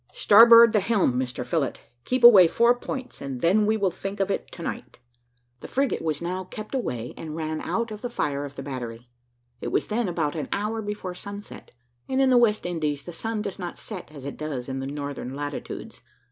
"Starboard the helm, Mr Phillott; keep away four points, and then we will think of it to night." The frigate was now kept away, and ran out of the fire of the battery. It was then about an hour before sunset, and in the West Indies the sun does not set as it does in the northern latitudes.